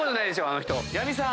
あの人。